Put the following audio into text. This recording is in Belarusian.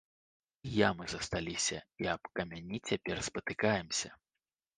І ямы засталіся, і аб камяні цяпер спатыкаемся.